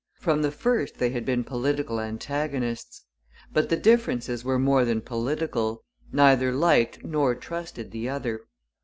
From the first they had been political antagonists. But the differences were more than political. Neither liked nor trusted the other.